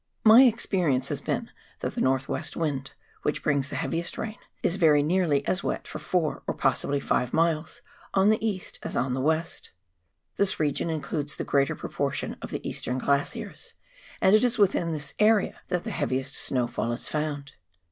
My experience has been that the north west wind — which brings the heaviest rain — is very nearly as wet for four, or possibly five, miles on the east as on the west. This region includes the greater proportion of the eastern glaciers, and it is within this area that the heaviest snowfall is found.